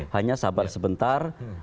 hanya sabar sebentar